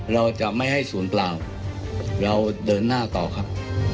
เราจะไม่ให้ศูนย์เปล่าเราเดินหน้าต่อครับ